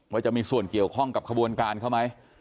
ว่าจะมีส่วนเกี่ยวข้องกับขบวนการเขาไหม